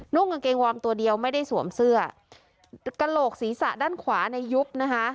กางเกงวอร์มตัวเดียวไม่ได้สวมเสื้อกระโหลกศีรษะด้านขวาในยุบนะคะ